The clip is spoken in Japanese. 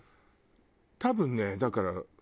多分ねだから。